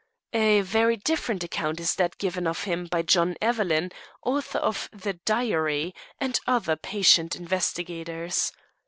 A very different account is that given of him by John Evelyn, author of the Diary, and other patient investigators.